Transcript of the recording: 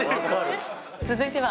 続いては。